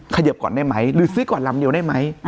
เขยิบก่อนได้ไหมหรือซื้อก่อนลำเดียวได้ไหม